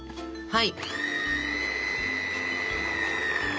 はい！